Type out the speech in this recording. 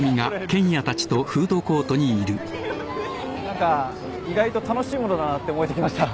何か意外と楽しいものだなって思えてきました。